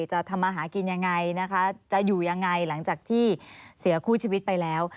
จะทำมาหากินยังไงนะคะจะอยู่ยังไงหลังจากที่เสียคู่ชีวิตไปแล้ว